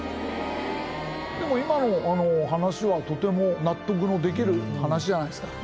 でも今の話はとても納得のできる話じゃないですか。